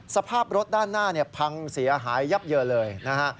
สภาพรถด้านหน้าพังเสียหายยับเยินเลยนะฮะ